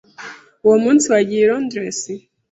Uwo munsi wagiye i Londres?